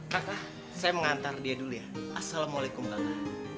raka saya mau ngantar dia dulu ya assalamualaikum raka